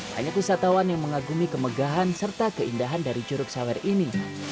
banyak wisatawan yang mengagumi kemegahan serta keindahan dari curug sawer ini